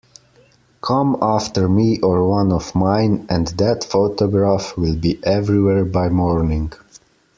Come after me or one of mine, and that photograph will be everywhere by morning.